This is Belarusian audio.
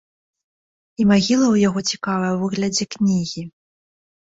І магіла ў яго цікавая, у выглядзе кнігі.